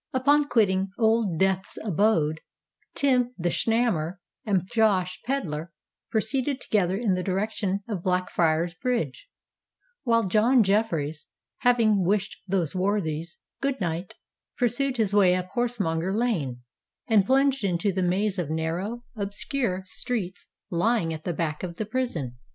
Upon quitting Old Death's abode, Tim the Snammer and Josh Pedler proceeded together in the direction of Blackfriar's Bridge; while John Jeffreys, having wished those worthies "good night," pursued his way up Horsemonger Lane, and plunged into the maze of narrow, obscure streets lying at the back of the prison.